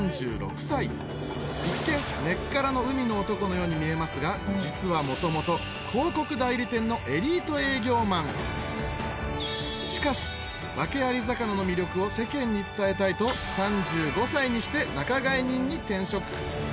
４６歳一見根っからの海の男のように見えますが実はもともとしかしワケアリ魚の魅力を世間に伝えたいと３５歳にして仲買人に転職